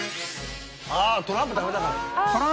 ああトランプ食べたから。